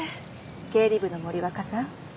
経理部の森若さん。